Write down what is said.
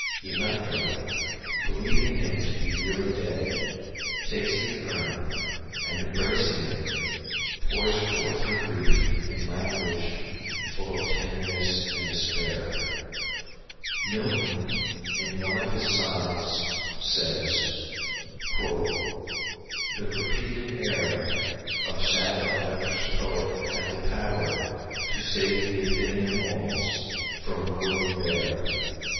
Electra, believing him to be really dead, takes the urn and, embracing it, pours forth her grief in language full of tenderness and despair. Milton, in one of his sonnets, says: "... The repeated air Of sad Electra's poet had the power To save the Athenian walls from ruin bare."